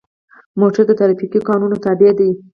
موټر د ټرافیکو قانون تابع دی.